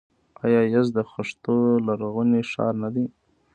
آیا یزد د خښتو لرغونی ښار نه دی؟